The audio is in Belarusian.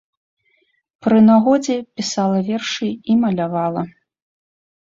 Пры нагодзе пісала вершы і малявала.